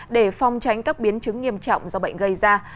để phong tránh các biến chứng nghiêm trọng do bệnh gây ra